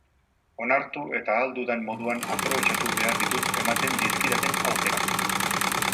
Onartu eta ahal dudan moduan aprobetxatu behar ditut ematen dizkidaten aukerak.